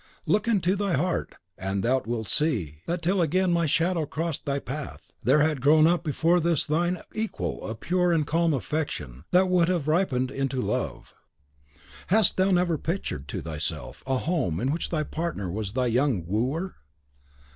Look into thy heart, and thou wilt see that till again my shadow crossed thy path, there had grown up for this thine equal a pure and calm affection that would have ripened into love. Hast thou never pictured to thyself a home in which thy partner was thy young wooer?"